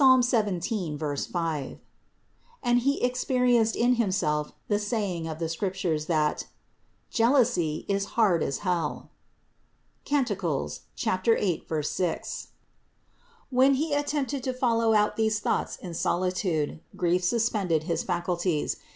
17, 5), and he experienced in himself the saying of the Scriptures, that : "Jealousy is hard as hell" (Cant. 8, 6). 378. When he attempted to follow out these thoughts in solitude, grief suspended his faculties.